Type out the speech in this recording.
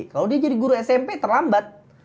kalau dia jadi guru smp terlambat